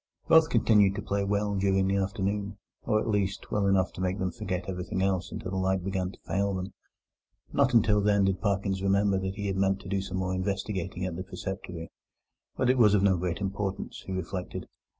Both continued to play well during the afternoon, or, at least, well enough to make them forget everything else until the light began to fail them. Not until then did Parkins remember that he had meant to do some more investigating at the preceptory; but it was of no great importance, he reflected.